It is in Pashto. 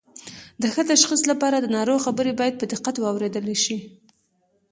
د ښه تشخیص لپاره د ناروغ خبرې باید په دقت واوریدل شي